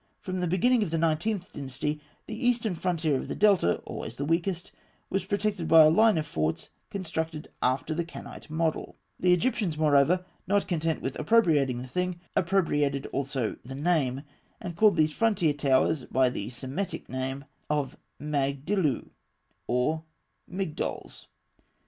From the beginning of the Nineteenth Dynasty, the eastern frontier of the Delta (always the weakest) was protected by a line of forts constructed after the Canaanite model. The Egyptians, moreover, not content with appropriating the thing, appropriated also the name, and called these frontier towers by the Semitic name of Magdilû or Migdols.